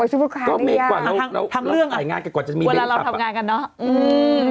รถซุปเปอร์คาร์ดยังไงทั้งเรื่องไหลงานกับกว่าจะมีเว้นทรัพย์กันเนอะอืม